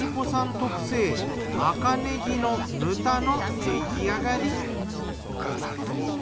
特製赤ねぎのぬたの出来上がり。